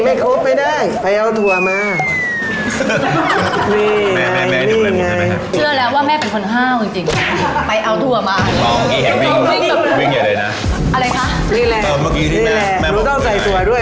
เมื่อแม่ทำอย่างนี้เนี่ย